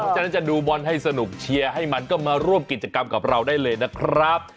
ฉะนั้นจะดูบอลให้สนุกเชียร์ให้มันก็มาร่วมกิจกรรมกับเราได้เลยนะครับ